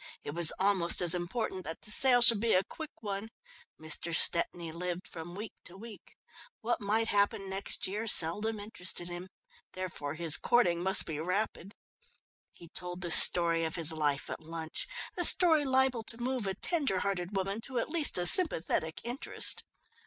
It was almost as important that the sale should be a quick one. Mr. Stepney lived from week to week. What might happen next year seldom interested him, therefore his courting must be rapid. He told the story of his life at lunch, a story liable to move a tender hearted woman to at least a sympathetic interest.